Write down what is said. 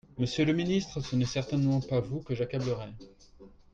Monsieur le ministre, ce n’est certainement pas vous que j’accablerais.